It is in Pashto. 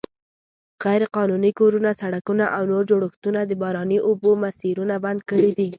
غیرقانوني کورونه، سړکونه او نور جوړښتونه د باراني اوبو مسیرونه بند کړي دي.